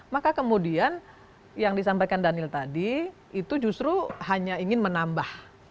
maka kemudian yang disampaikan daniel tadi itu justru hanya ingin menambah